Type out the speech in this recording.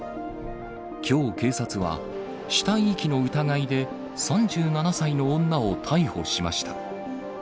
きょう、警察は死体遺棄の疑いで３７歳の女を逮捕しました。